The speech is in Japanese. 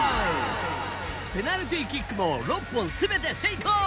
ペナルティキックも６本すべて成功。